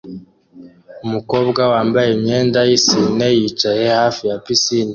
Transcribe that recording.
Umukobwa wambaye imyenda yisine yicaye hafi ya pisine